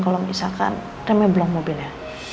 kalau misalkan remnya belum mobilnya